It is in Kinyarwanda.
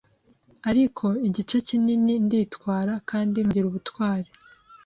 Ariko, igice kinini, nditwara kandi nkagira ubutwari